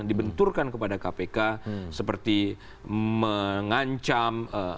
dibenturkan kepada kpk seperti mengancam